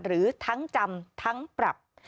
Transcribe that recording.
หรือทั้งจำทั้งปรับ